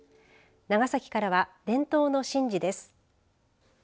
長崎からは伝統の神事です。